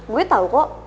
gue tau kok